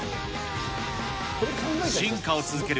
進化を続ける